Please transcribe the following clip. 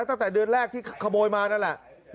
ตั้งแต่เดือนแรกที่ขโมยมานั่นแหละ